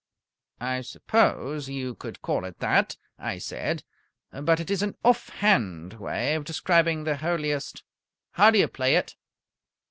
"I suppose you could call it that," I said, "but it is an offhand way of describing the holiest " "How do you play it?"